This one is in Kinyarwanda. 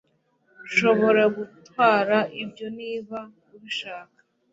nshobora kugutwara ibyo niba ubishaka